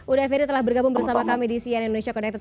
udah ferry telah bergabung bersama kami di cnn indonesia connected